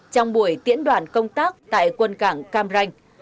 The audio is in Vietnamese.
trong buổi tiễn đoàn công tác tại quân cảng cam ranh